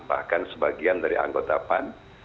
bahkan sebagian dari anggota pan